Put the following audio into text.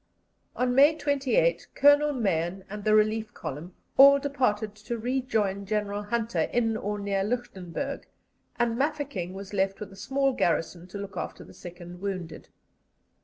On May 28 Colonel Mahon and the relief column all departed to rejoin General Hunter in or near Lichtenburg, and Mafeking was left with a small garrison to look after the sick and wounded.